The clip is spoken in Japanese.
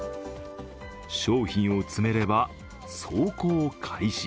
商品を詰めれば、走行開始。